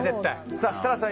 設楽さん